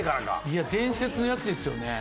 いや伝説のやつですよね。